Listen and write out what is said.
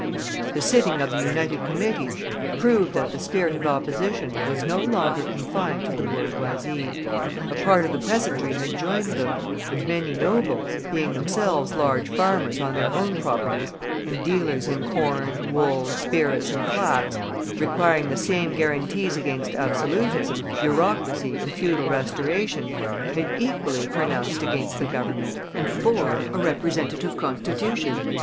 The sitting of the united Committees proved that the spirit of opposition was no longer confined to the bourgeoisie. A part of the peasantry had joined them, and many nobles, being themselves large farmers on their own properties, and dealers in corn, wool, spirits, and flax, requiring the same guarantees against absolutism, bureaucracy, and feudal restoration, had equally pronounced against the Government, and for a Representative Constitution.